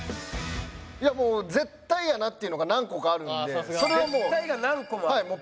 いやもう絶対やなっていうのが何個かあるんでそれはもう。